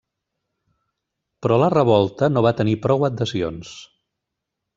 Però la revolta no va tenir prou adhesions.